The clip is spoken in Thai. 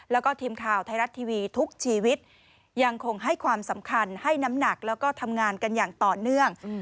แล้วก็ทีมข่าวไทยรัฐทีวีทุกชีวิตยังคงให้ความสำคัญให้น้ำหนักแล้วก็ทำงานกันอย่างต่อเนื่อง